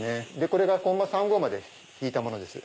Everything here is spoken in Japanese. これがコンマ３５まで引いたものです。